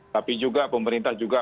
tapi juga pemerintah juga